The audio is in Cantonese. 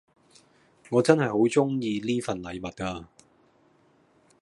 我真係好鍾意呢份禮物呀